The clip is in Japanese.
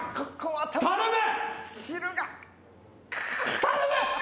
頼む！